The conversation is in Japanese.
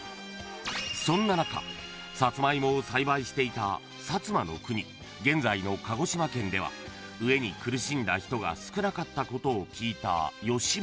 ［そんな中サツマイモを栽培していた薩摩国現在の鹿児島県では飢えに苦しんだ人が少なかったことを聞いた吉宗］